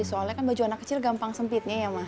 soalnya kan baju anak kecil gampang sempitnya ya mas